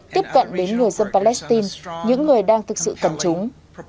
tiếp cận đến người dân palestine những người đang thực sự cần chúng